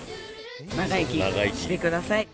長生きしてください。